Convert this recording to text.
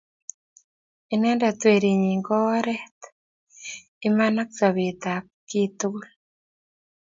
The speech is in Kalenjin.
Inendet werinyi ko oret, iman ako sobet ab chit tukul